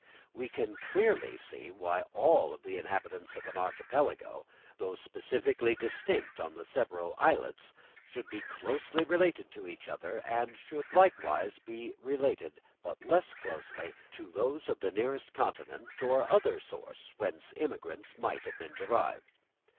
We can clearly see why all the inhabitants of an archipelago, though specifically distinct on the several islets, should be closely related to each other, and should likewise be related, but less closely, to those of the nearest continent, or other source whence immigrants might have been derived.